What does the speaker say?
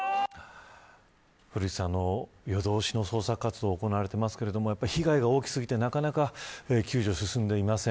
古市さん、夜通しの捜索活動が行われていますけど被害が大き過ぎてなかなか救助が進んでいません。